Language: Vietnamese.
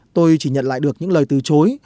tôi chỉ nhận lại được những lời từ chối